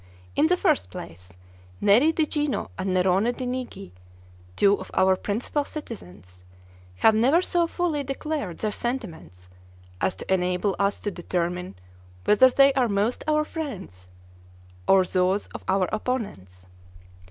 In the first place, Neri di Gino and Nerone di Nigi, two of our principal citizens, have never so fully declared their sentiments as to enable us to determine whether they are most our friends our those of our opponents.